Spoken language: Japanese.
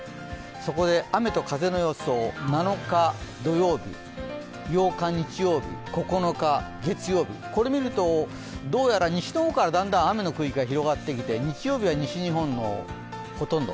そこで雨と風の予想、７日土曜日、８日日曜日、９日月曜日、これを見ると、どうやら西の方からだんだん雨の区域が広がってきて、日曜日は西日本のほとんど。